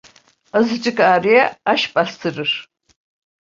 Azıcık ağrıya aş bastırır.